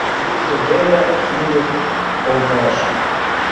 Вуйжо дене ӱлык колташ!